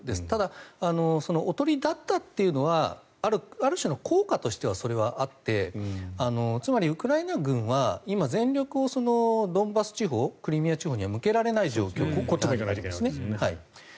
ただ、おとりだったというのはある種の効果としてはそれはあってつまり、ウクライナ軍は今全力をドンバス地方クリミア地方には向けられない状況です。